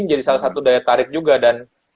menjadi salah satu daya tarik juga dan